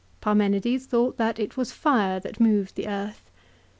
Parmenides thought that it was fire that moved the earth.